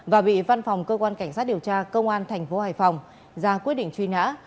và bị văn phòng cơ quan cảnh sát điều tra công an thành phố hải phòng ra quyết định truy nã